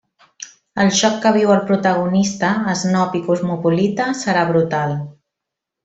El xoc que viu el protagonista, esnob i cosmopolita, serà brutal.